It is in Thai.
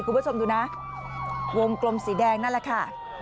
คุณผู้ชมดูนะวงกลมสีแดงนั่นแหละค่ะ